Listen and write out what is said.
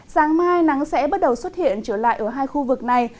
sáng mai nắng sẽ bắt đầu xuất hiện trở lại ở hai khu vực này